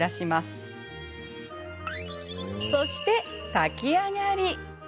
そして、炊き上がり。